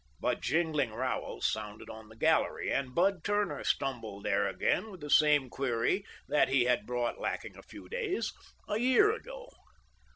But jingling rowels sounded on the gallery, and Bud Turner stumbled there again with the same query that he had brought, lacking a few days, a year ago.